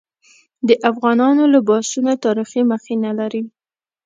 د افغانانو لباسونه تاریخي مخینه لري.